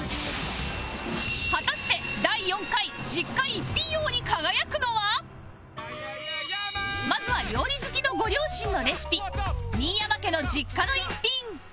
果たして第４回まずは料理好きのご両親のレシピ新山家の実家の一品